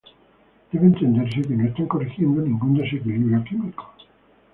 Debe entenderse que no están corrigiendo ningún desequilibrio químico.